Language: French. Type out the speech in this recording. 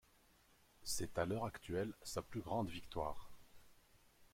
C'est à l'heure actuelle sa plus grande victoire.